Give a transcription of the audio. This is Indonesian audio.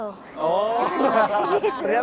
oh ternyata kuncinya di situ ya